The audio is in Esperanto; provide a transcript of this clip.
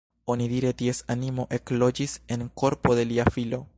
Onidire ties animo ekloĝis en korpo de lia filo.